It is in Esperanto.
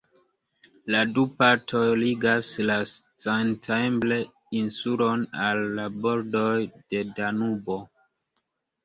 La du partoj ligas la Szentendre-insulon al la bordoj de Danubo.